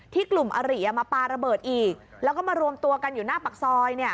กลุ่มอริมาปลาระเบิดอีกแล้วก็มารวมตัวกันอยู่หน้าปากซอย